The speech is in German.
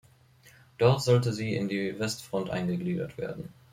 Dort sollte sie in die Westfront eingegliedert werden.